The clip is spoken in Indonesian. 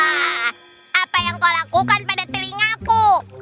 ah apa yang kau lakukan pada telingaku